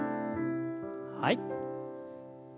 はい。